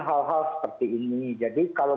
hal hal seperti ini jadi kalau